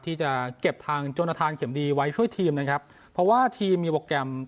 ที่จะเก็บทางจนทางเข็มดีไว้ช่วยทีมนะครับเพราะว่าทีมมีโปรแกรม